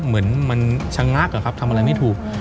และก็ทำอะไรไม่ถูก